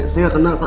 saya gak kenal pak